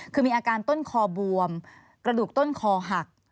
คือมีอาการต้นคอบวมกระดูกต้นคอหัก